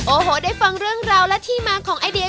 โอ้โหได้ฟังเรื่องราวและที่มาของไอเดีย